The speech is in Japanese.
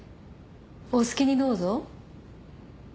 お好きにどうぞ。